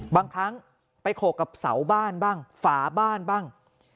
บางครั้งไปโขกกับเสาบ้านบ้างฝาบ้านบ้าง